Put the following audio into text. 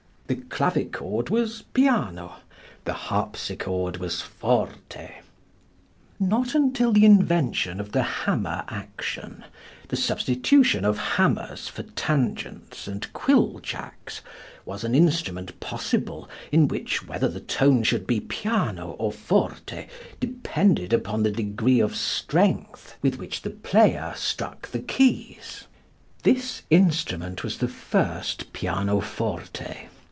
The clavichord was piano, the harpsichord was forte. Not until the invention of the hammer action, the substitution of hammers for tangents and quill jacks, was an instrument possible in which whether the tone should be piano or forte depended upon the degree of strength with which the player struck the keys. This instrument was the first pianoforte.